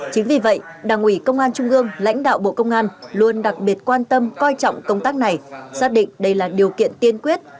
chính vì vậy đảng ủy công an trung ương lãnh đạo bộ công an luôn đặc biệt quan tâm coi trọng công tác này xác định đây là điều kiện tiên quyết